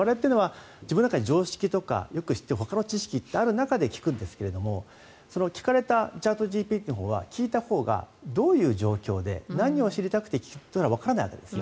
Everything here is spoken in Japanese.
我々は常識とかほかの知識ってある中で聞くんですけど聞かれたチャットＧＰＴは聞いたほうがどういう状況で何を知りたくて聞くのかわからないわけですよ。